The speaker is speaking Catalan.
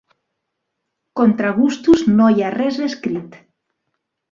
Contra gustos no hi ha res escrit.